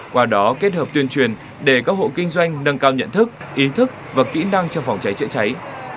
qua đó kết hợp tuyên truyền để các hộ kinh doanh nâng cao nhận thức ý thức và kỹ năng trong phòng cháy chữa cháy